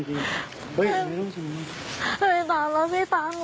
ไปสำคัญกลับบ้าน